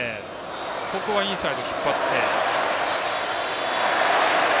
ここはインサイド引っ張って。